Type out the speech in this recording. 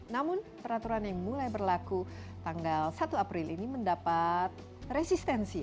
namun peraturan yang mulai berlaku tanggal satu april ini mendapat resistensi